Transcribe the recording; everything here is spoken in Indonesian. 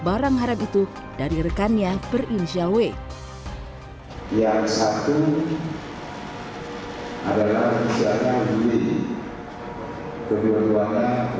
barang harap itu dari rekannya berinisial w yang satu adalah misalkan diri kedua duanya